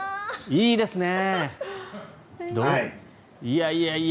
いいですね。